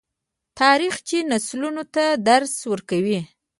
تاریخ چې نسلونو ته درس ورکوي.